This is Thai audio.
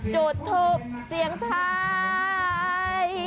จุดทุบเสียงถ่าย